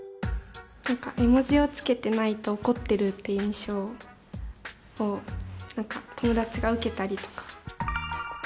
絵文字を付けてないと怒ってるっていう印象を何か友達が受けたりとか。